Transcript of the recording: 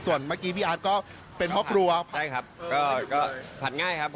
ส่วนพี่อาร์ดก็เป็นพอคน